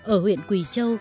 ở huyện quỳ châu